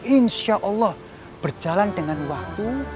insya allah berjalan dengan waktu